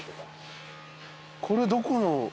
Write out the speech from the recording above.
これどこの？